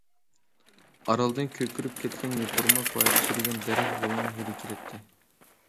ئارالدىن كۆكىرىپ كەتكەن يوپۇرماق ۋە چىرىگەن دەرەخ غولىنىڭ ھىدى كېلەتتى.